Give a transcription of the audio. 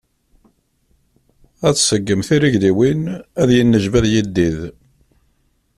Ad tseggem tirigliwin, ad yennejbad yiddid.